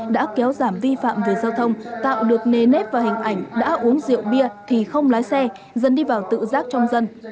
đã kéo giảm vi phạm về giao thông tạo được nề nếp và hình ảnh đã uống rượu bia thì không lái xe dần đi vào tự giác trong dân